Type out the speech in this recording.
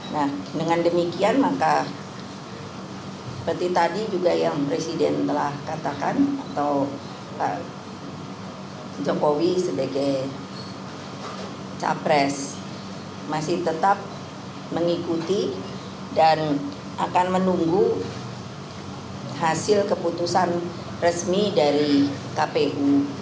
nah dengan demikian maka seperti tadi juga yang presiden telah katakan atau pak jokowi sebagai capres masih tetap mengikuti dan akan menunggu hasil keputusan resmi dari kpu